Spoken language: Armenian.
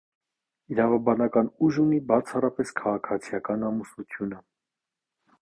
Իրավաբանական ուժ ունի բացառապես քաղաքացիական ամուսնությունը։